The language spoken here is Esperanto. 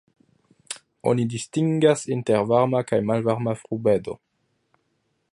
Oni distingas inter varma kaj malvarma frubedo.